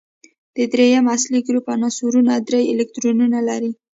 د دریم اصلي ګروپ عنصرونه درې الکترونونه لري.